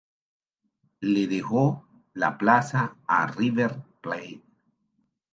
Le dejó la plaza a River Plate.